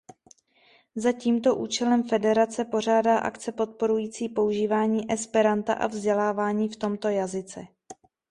Za tímto účelem federace pořádá akce podporující používání esperanta a vzdělávání v tomto jazyce.